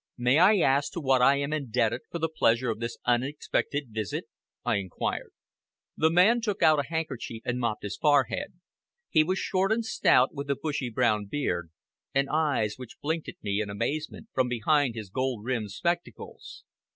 "May I ask to what I am indebted for the pleasure of this unexpected visit?" I inquired. The man took out a handkerchief and mopped his forehead. He was short and stout, with a bushy brown beard, and eyes which blinked at me in amazement from behind his gold rimmed spectacles.